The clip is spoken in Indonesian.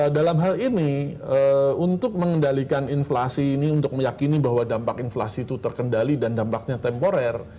dalam hal ini untuk mengendalikan inflasi ini untuk meyakini bahwa dampak inflasi itu terkendali dan dampaknya temporer